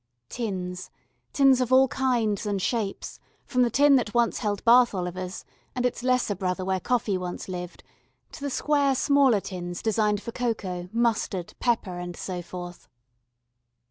Tins tins of all kinds and shapes, from the tin that once held Bath Olivers and its lesser brother where coffee once lived to the square smaller tins designed for cocoa, mustard, pepper, and so forth.